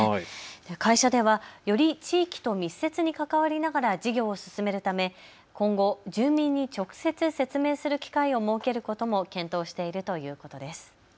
会社ではより地域と密接に関わりながら事業を進めるため今後、住民に直接説明する機会を設けることも検討しているということです。